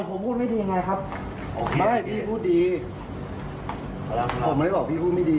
ผมพูดไม่ดียังไงครับไม่พี่พูดดีเอ่อไม่ได้บอกพี่พูดไม่ดี